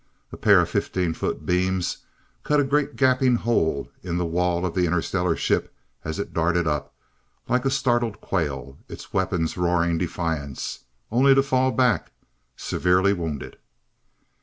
A pair of fifteen foot beams cut a great gaping hole in the wall of the interstellar ship, as it darted up, like a startled quail, its weapons roaring defiance, only to fall back, severely wounded.